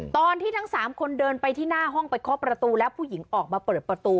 ทั้ง๓คนเดินไปที่หน้าห้องไปเคาะประตูแล้วผู้หญิงออกมาเปิดประตู